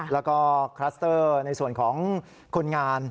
แล้วก็คลัสเตอร์ในส่วนของคนงาน